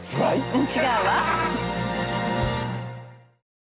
うん違うわ。